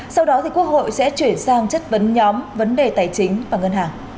sau đó quốc hội sẽ chuyển sang chất vấn nhóm vấn đề tài chính và ngân hàng